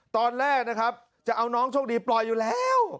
ตอนแรกนะครับจะเอาน้องโชคดีปล่อยอยู่แล้ว